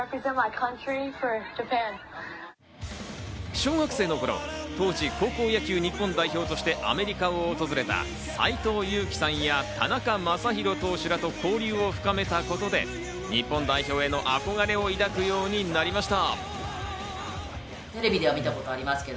小学生の頃、当時、高校野球日本代表としてアメリカを訪れた斎藤佑樹さんや田中将大投手らと交流を深めたことで、日本代表への憧れを抱くようになりました。